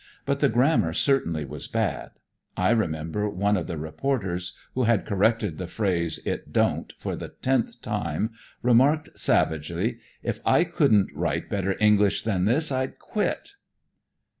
But the grammar certainly was bad. I remember one of the reporters who had corrected the phrase "it don't" for the tenth time remarked savagely, "If I couldn't write better English than this, I'd quit."